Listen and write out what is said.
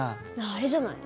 あれじゃない？